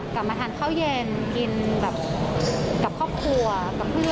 กลับมาทานข้าวเย็นกินแบบกับครอบครัวกับเพื่อน